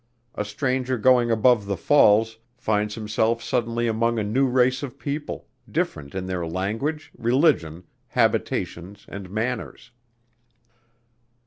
A stranger going above the Falls, finds himself suddenly among a new race of people, different in their language, religion, habitations, and manners.